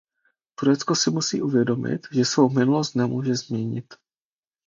Turecko si musí uvědomit, že svou minulost nemůže změnit.